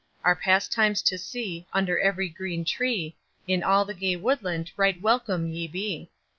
Our pastimes to see, Under every green tree, In all the gay woodland, right welcome ye be.